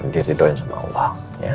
diri doain sama allah